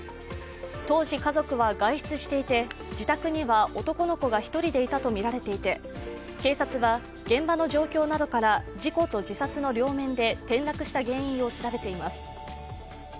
当時、家族は外出していて自宅には男の子が１人でいたとみられていて、警察は現場の状況などから事故と自殺の両面で転落した原因を調べています。